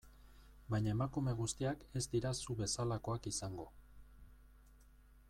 Baina emakume guztiak ez dira zu bezalakoak izango...